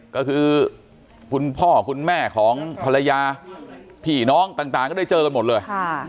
ก็คือคุณพ่อคุณแม่ของภรรยาพี่น้องต่างก็ได้เจอกันหมดเลย